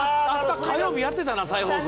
火曜日やってたな再放送。